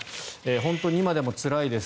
本当に今でもつらいです